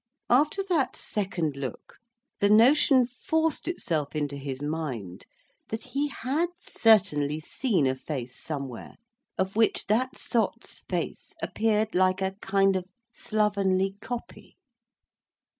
After that second look, the notion forced itself into his mind, that he had certainly seen a face somewhere, of which that sot's face appeared like a kind of slovenly copy.